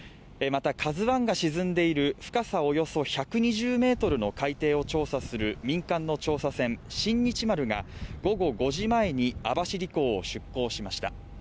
また、「ＫＡＺＵⅠ」が沈んでいる深さおよそ１２０ｍの海底を調査する民間の調査船「新日丸」が午後５時前に網走港を出港しました。